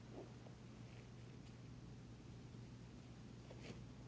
kamu tuh gak usah